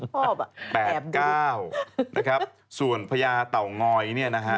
พอบ่ะแอบดูแอบ๙นะครับส่วนพระยาเตางอยเนี่ยนะฮะ